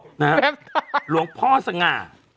นะฮะหลวงพ่อสง่า